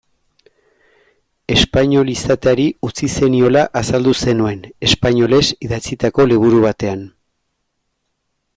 Espainol izateari utzi zeniola azaldu zenuen, espainolez idatzitako liburu batean.